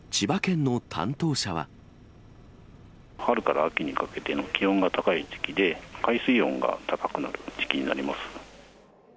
春から秋にかけての気温が高い時期で、海水温が高くなる時期になります。